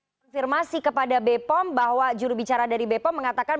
konfirmasi kepada bepom bahwa jurubicara dari bepom mengatakan